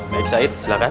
baik sayed silakan